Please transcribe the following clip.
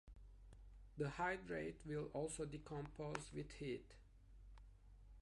The hydrate will also decompose with heat.